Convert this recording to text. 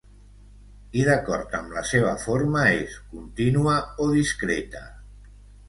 I d'acord amb la seva forma és: contínua o discreta.